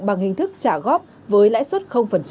bằng hình thức trả góp với lãi suất